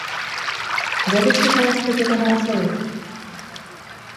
Berriz irabaztekotan al zaude?